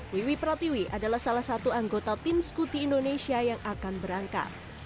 wiwi pratiwi adalah salah satu anggota tim skuti indonesia yang akan berangkat